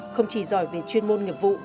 không chỉ giỏi về chuyên môn nghiệp vụ